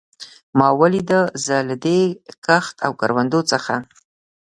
ما لیده، زه له دې کښت او کروندو څخه.